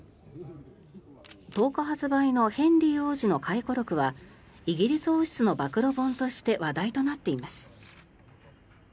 １０日発売のヘンリー王子の回顧録はイギリス王室の暴露本として話題となっています。